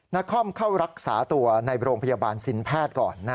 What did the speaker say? นครเข้ารักษาตัวในโรงพยาบาลสินแพทย์ก่อน